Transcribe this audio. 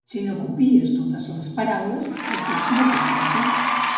Si no copies totes les paraules, el text no té sentit